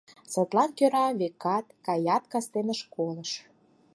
Садлан кӧра, векат, каят кастене школыш